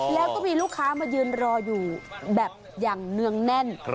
แล้วก็มีลูกค้ามายืนรออยู่แบบอย่างเนื่องแน่น